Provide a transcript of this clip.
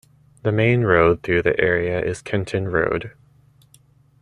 The main road through the area is Kenton Road.